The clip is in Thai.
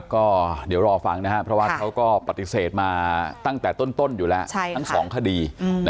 ก็เดี๋ยวรอฟังนะครับเพราะว่าเขาก็ปฏิเสธมาตั้งแต่ต้นอยู่แล้วทั้งสองคดี